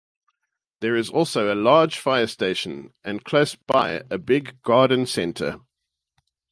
There is also a large fire station and close by a big garden centre.